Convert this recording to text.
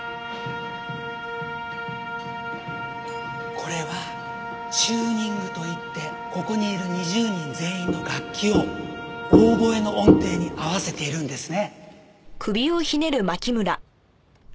これはチューニングといってここにいる２０人全員の楽器をオーボエの音程に合わせているんですね。